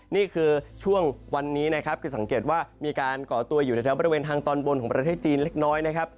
นี่คือช่วงวันนี้นะครับคือสังเกตว่ามีการก่อตัวอยู่ในแถวบริเวณทางตอนบนของประเทศจีนเล็กน้อยนะครับ